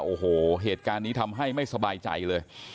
โอ้โหเหตุการณ์นี้ทำให้ไม่สบายใจเลย